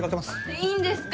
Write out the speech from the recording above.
いいんですか？